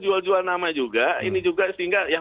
jual jual nama juga ini juga sehingga yang